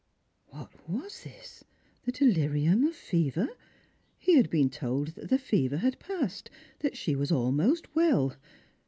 What was this P the delirium of fever ? He had been told that the fever had passed, that she was almost well.